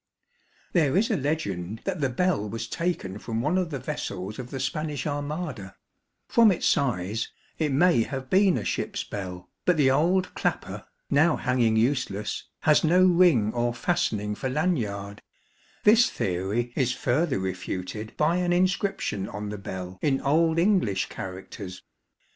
There is a legend that the bell was taken from one of the vessels of the Spanish Armada ; from its size it may have been a ship's bell, but the old clapper, now hanging useless, has no ring or fastening for lanyard ; this theory is further refuted by an inscription on the bell in Old English characters.